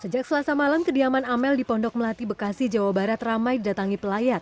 sejak selasa malam kediaman amel di pondok melati bekasi jawa barat ramai didatangi pelayat